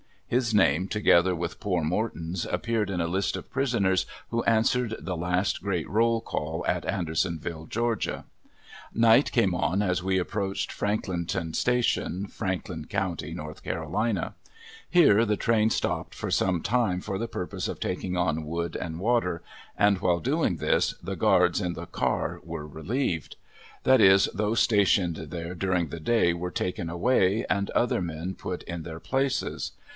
His name, together with poor Morton's, appeared in a list of prisoners who answered the last great roll call at Andersonville, Georgia. Night came on as we approached Franklinton station, Franklin County, North Carolina. Here the train stopped for some time for the purpose of taking on wood and water, and while doing this the guards in the car were relieved. That is, those stationed there during the day were taken away and other men put in their places.